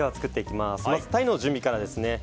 まず鯛の準備からですね。